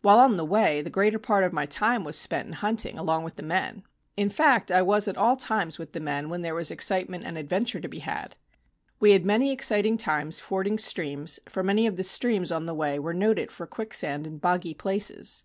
While on the way the greater part of my time was spent in hunting along with the men; in fact I was at all times with the men when there was excitement and adventure to be had. We had many exciting times fording streams, for many of the streams on the way were noted for quicksand and boggy places.